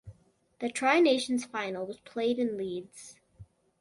The Tri-Nations Final was played in Leeds.